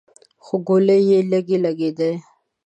خو ګولۍ يې ليرې لګېدې.